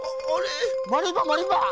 マリンバマリンバ。